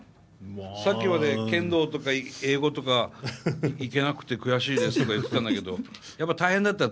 さっきまで剣道とか英語とか行けなくて悔しいですとか言ってたんだけどやっぱり大変だった？